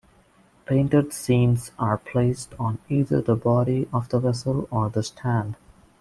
Painted scenes are placed on either the body of the vessel or the stand.